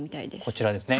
こちらですね。